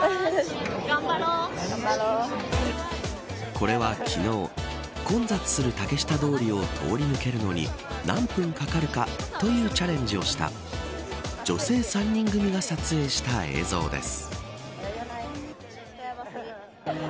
これは昨日混雑する竹下通りを通り抜けるのに何分かかるかというチャレンジをした女性３人組が撮影した映像です。